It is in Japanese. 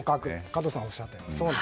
加藤さんがおっしゃったように。